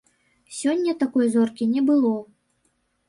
Сёння такой зоркі не было.